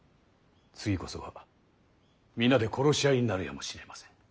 次こそは皆で殺し合いになるやもしれませぬ。